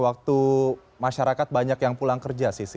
waktu masyarakat banyak yang pulang kerja sisi